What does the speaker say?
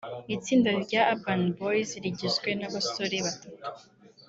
Itsinda rya Urban Boyz rigizwe n’abasore batatu